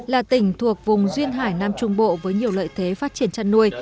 là tỉnh thuộc vùng duyên hải nam trung bộ với nhiều lợi thế phát triển chăn nuôi